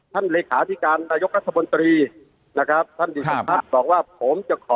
ท่านเลขาธิการรายกรัฐบนตรีนะครับท่านครับบอกว่าผมจะขอ